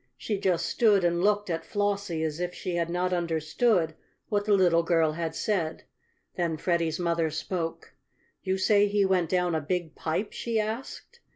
She just stood and looked at Flossie as if she had not understood what the little girl had said. Then Freddie's mother spoke. "You say he went down a big pipe?" she asked.